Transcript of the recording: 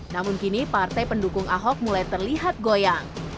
namun kini partai pendukung ahok mulai terlihat goyang